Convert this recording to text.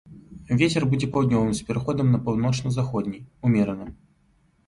Вецер будзе паўднёвым з пераходам на паўночна-заходні, умераным.